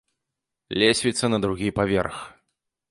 Лесвіца на другі паверх.